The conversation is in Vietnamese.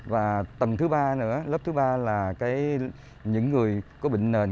và tầm thứ ba nữa lớp thứ ba là những người có bệnh nền